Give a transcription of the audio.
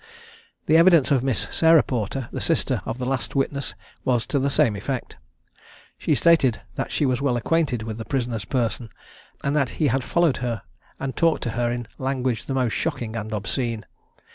The evidence of Miss Sarah Porter, the sister of the last witness, was to the same effect. She stated that she was well acquainted with the prisoner's person, and that he had followed her, and talked to her in language the most shocking and obscene.